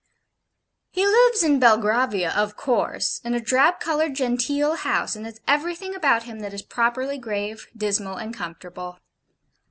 He lives in Belgravia, of course; in a drab coloured genteel house, and has everything about him that is properly grave, dismal, and comfortable.